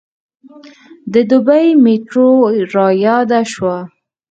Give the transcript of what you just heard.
د دبۍ میټرو رایاده شوه.